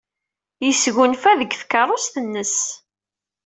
Yesgunfa deg tkeṛṛust-nnes.